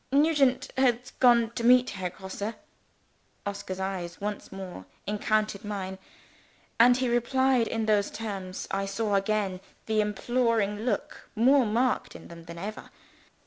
"Nugent has gone to meet Herr Grosse." Oscar's eyes once more encountered mine, as he replied in those terms; I saw again the imploring look more marked in them than ever.